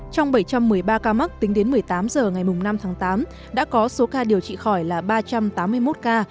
trong bảy trăm một mươi ba ca mắc tính đến một mươi tám h ngày năm tháng tám đã có số ca điều trị khỏi là ba trăm tám mươi một ca